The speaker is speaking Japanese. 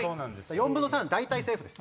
４分の３大体セーフです。